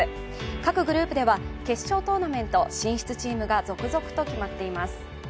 各グループでは決勝トーナメント進出チームが続々と決まっています。